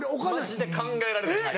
マジで考えられないです。